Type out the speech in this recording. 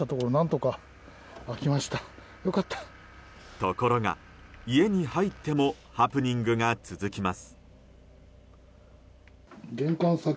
ところが、家に入ってもハプニングが続きます。